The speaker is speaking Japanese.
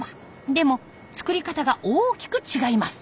でも作り方が大きく違います。